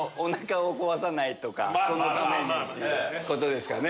そのためにってことですかね。